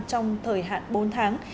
trong thời hạn bốn tháng